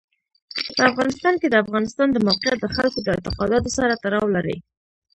په افغانستان کې د افغانستان د موقعیت د خلکو د اعتقاداتو سره تړاو لري.